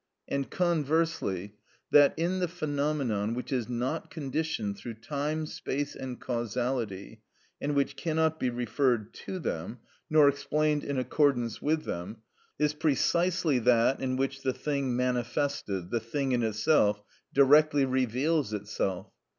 And conversely, that in the phenomenon which is not conditioned through time, space and causality, and which cannot be referred to them, nor explained in accordance with them, is precisely that in which the thing manifested, the thing in itself, directly reveals itself.